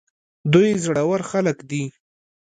دوی زړه ور خلک دي.